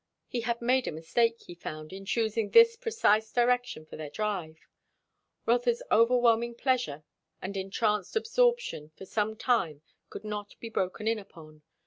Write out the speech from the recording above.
He had made a mistake, he found, in choosing this precise direction for their drive. Rotha's overwhelming pleasure and entranced absorption for some time could not be broken in upon.